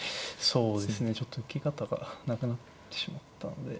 そうですねちょっと受け方がなくなってしまったので。